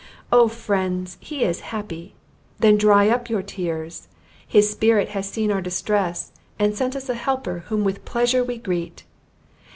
Oh friends, he is happy; then dry up your tears! His spirit has seen our distress, and sent us a helper whom with pleasure we greet.